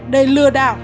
đây lừa đảo